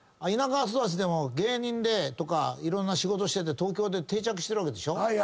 田舎育ちでも芸人でとかいろんな仕事してて東京で定着してるわけでしょ。